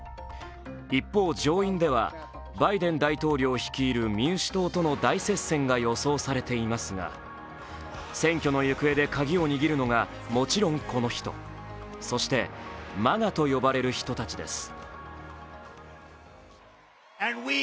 一方、上院ではバイデン大統領率いる民主党との大接戦が予想されていますが、選挙の行方でカギを握るのがもちろんこの人、そしてＭＡＧＡと呼ばれる人たちです。